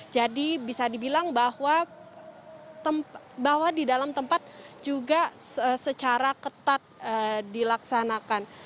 jadi bisa dibilang bahwa di dalam tempat juga secara ketat dilaksanakan